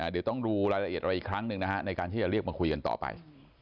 เดี๋ยวต้องดูรายละเอียดอะไรอีกครั้งหนึ่งนะฮะในการที่จะเรียกมาคุยกันต่อไป